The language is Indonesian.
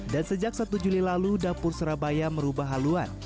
dan sejak satu juli lalu dapur serabaya merubah haluan